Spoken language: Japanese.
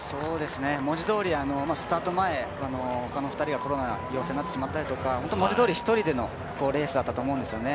文字どおり、スタート前他の２人がコロナで陽性になってしまったりとか文字どおり１人でのレースだったと思うんですね